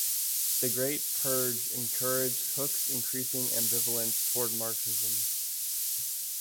The Great Purge encouraged Hook's increasing ambivalence toward Marxism.